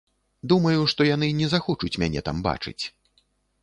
Думаю, што яны не захочуць мяне там бачыць.